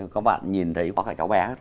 các bạn nhìn thấy có cái cháu bé đó